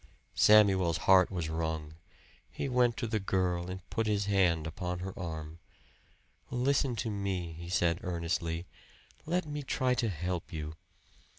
Samuel's heart was wrung. He went to the girl, and put his hand upon her arm. "Listen to me," he said earnestly. "Let me try to help you."